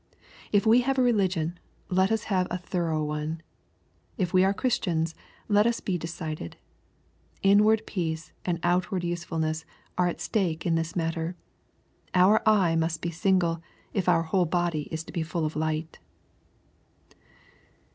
If we have a religion, let us have a thorough one. If we are Chris tians, let us be decided. Inward peace and outward use fulness are at stake in this matter. Our eye must be single, if our while body is to be full of light.